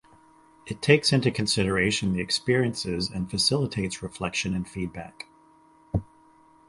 It takes into consideration the experiences and facilitates reflection and feedback.